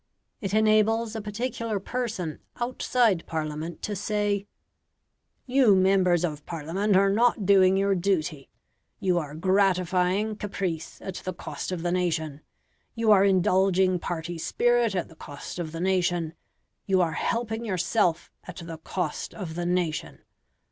It enables a particular person outside Parliament to say, "You Members of Parliament are not doing your duty. You are gratifying caprice at the cost of the nation. You are indulging party spirit at the cost of the nation. You are helping yourself at the cost of the nation.